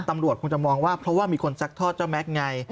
ตำรวจคงจะมองว่าเพราะว่ามีคนซักทอดเจ้าแม็กซ์ไง